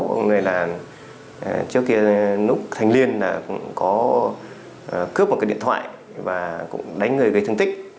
ông này là trước kia lúc thành liên là có cướp một cái điện thoại và cũng đánh người gây thương tích